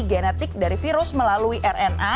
genetik dari virus melalui rna